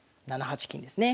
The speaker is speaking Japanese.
７八金ですね。